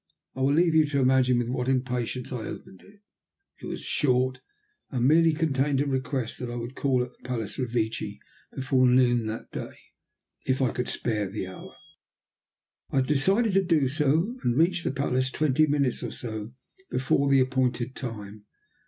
I will leave you to imagine with what impatience I opened it. It was short, and merely contained a request that I would call at the Palace Revecce before noon that day, if I could spare the hour. I decided to do so, and I reached the palace twenty minutes or so before the appointed time.